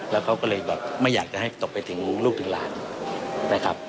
แล้วเขาก็เลยแบบไม่อยากจะให้ตกไปถึงลูกถึงหลานนะครับ